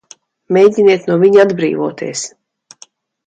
Mēģiniet no viņa atbrīvoties!